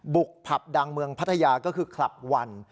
ผับดังเมืองพัทยาก็คือคลับวัน